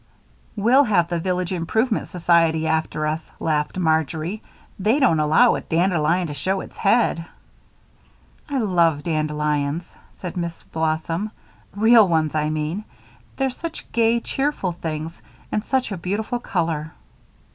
"We'll have the Village Improvement Society after us," laughed Marjory. "They don't allow a dandelion to show its head." "I love dandelions," said Miss Blossom; "real ones, I mean; they're such gay, cheerful things and such a beautiful color."